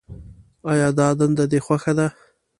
آیا دا دنده دې خوښه ده.